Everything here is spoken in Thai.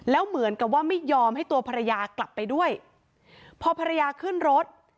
แล้วเหมือนกับว่าไม่ยอมให้ตัวภรรยากลับไปด้วยพอภรรยาขึ้นรถ